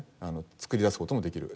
作り出す事もできる。